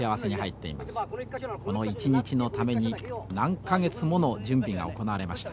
この一日のために何か月もの準備が行われました。